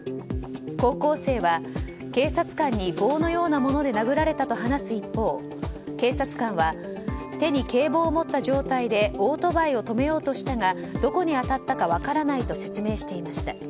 高校生は警察官に棒のようなもので殴られたと話す一方警察官は手に警棒を持った状態でオートバイを止めようとしたがどこに当たったか分からないと説明していました。